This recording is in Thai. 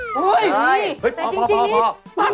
เฮ่ยพอพอ